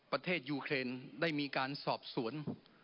ประเทศยูเครนได้มีการสอบสวน